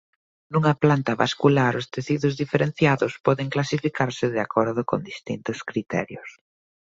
Nunha planta vascular os tecidos diferenciados poden clasificarse de acordo con distintos criterios.